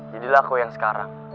jadilah aku yang sekarang